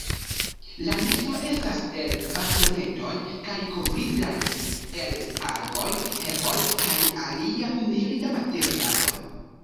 La nesto estas el bastonetoj kaj kovritaj el algoj, herboj kaj alia milda materialo.